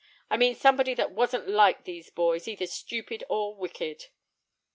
I mean somebody that wasn't like these boys, either stupid or wicked."